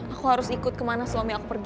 aku harus ikut kemana suami aku pergi